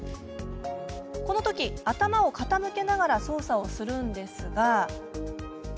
この時頭を傾けながら操作をするんですが。